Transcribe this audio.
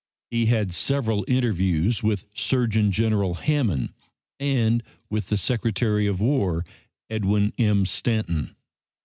He had several interviews with Surgeon General Hammond and with the Secretary of War, Edwin M. Stanton.